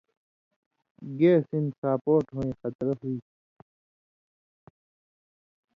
گیس ہِن ساپوٹ ہویں خطرہ ہُوئ تھی